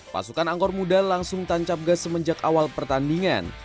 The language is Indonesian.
pasukan angkor muda langsung tancap gas semenjak awal pertandingan